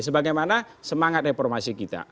sebagaimana semangat reformasi kita